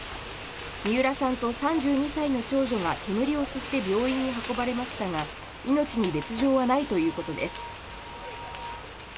三浦さんと３２歳の長女が煙を吸って病院に運ばれましたが命に別条はないということです。